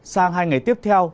sang hai ngày tiếp theo